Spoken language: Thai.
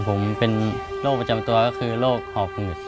ผมเป็นโรคประจำตัวก็คือโรคหอบหืด